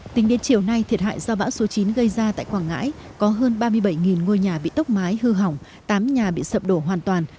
tính đến chiều nay thiệt hại do bão số chín gây ra tại quảng ngãi có hơn ba mươi bảy ngôi nhà bị tốc mái hư hỏng tám nhà bị sập đổ hoàn toàn